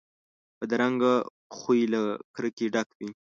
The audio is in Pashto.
بدرنګه خوی له کرکې ډک وي